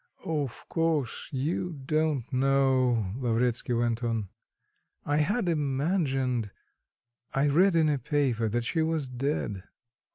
"Of course, you don't know," Lavretsky went on, "I had imagined... I read in a paper that she was dead."